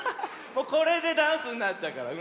もうこれでダンスになっちゃうから。